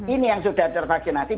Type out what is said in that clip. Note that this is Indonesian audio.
ini yang sudah tervaksinasi